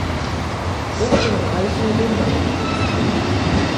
ポストの回収現場に出くわす